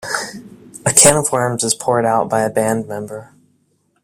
A can of worms is poured out by a band member.